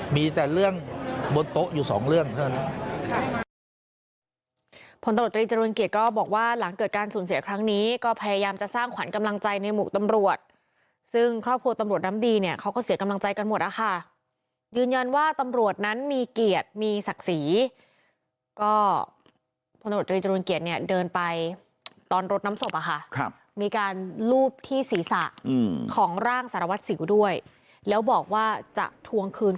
มีแต่เรื่องบนโต๊ะอยู่สองเรื่อง